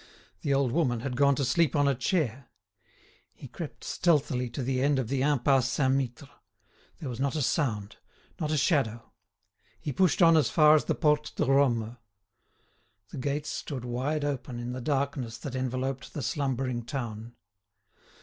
The old woman had gone to sleep on a chair. He crept stealthily to the end of the Impasse Saint Mittre. There was not a sound, not a shadow. He pushed on as far as the Porte de Rome. The gates stood wide open in the darkness that enveloped the slumbering town.